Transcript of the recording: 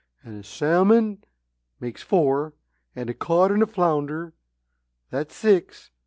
And a salmon, makes four, and a cod and a flounder, that's six.